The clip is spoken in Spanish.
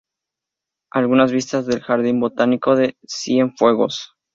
Algunas vistas del ""Jardín Botánico de Cienfuegos"".